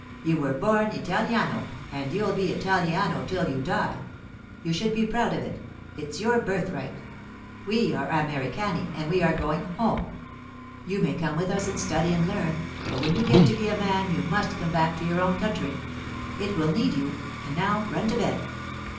You were born Italiano, and you'll be Italiano till you die. You should be proud of it—it's your birthright. We are Americani, and we are going—home. You may come with us and study and learn, but when you get to be a man you must come back to your own country. It will need you—and now run to bed.